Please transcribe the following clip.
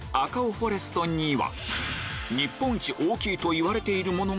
フォレストです。